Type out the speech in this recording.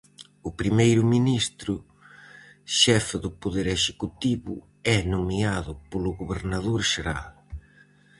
O primeiro ministro, xefe do poder executivo, é nomeado polo gobernador xeral.